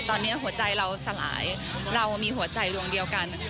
ตอนนี้หัวใจเราสลายเรามีหัวใจดวงเดียวกัน